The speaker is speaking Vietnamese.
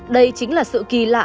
đây chính là sự kỳ lạ